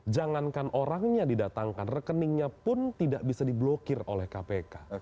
jangankan orangnya didatangkan rekeningnya pun tidak bisa diblokir oleh kpk